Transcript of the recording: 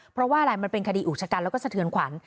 เพราะว่าอะไรมันเป็นคดีอุกชะกันแล้วก็สะเทือนขวัญ